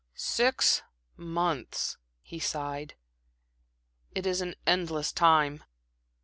"Six months," he sighed. "It is an endless time."